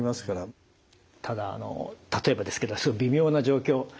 ただ例えばですけど微妙な状況